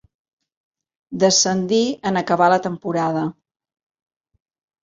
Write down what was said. Descendí en acabar la temporada.